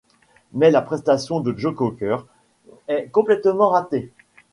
Mais la prestation de Joe Cocker est complètement ratée.